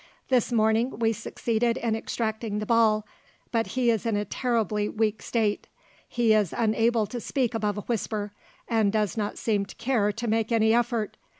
This morning we succeeded in extracting the ball, but he is in a terribly weak state. He is unable to speak above a whisper, and does not seem to care to make any effort.